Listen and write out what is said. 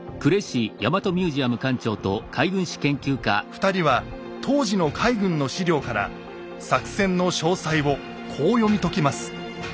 ２人は当時の海軍の史料から作戦の詳細をこう読み解きます。